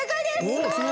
すごーい！